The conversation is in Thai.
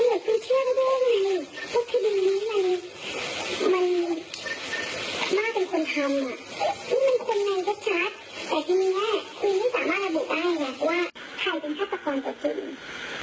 ถ้าจริงไม่เหลือคือเชื่อก็ได้ไงทฤดีโอนี้มันมากเป็นคนทำมันเซ็นแน่ก็ชัดแต่ทีนี้มันไม่สามารถระบุได้ว่าใครเป็นฆาตกรจริง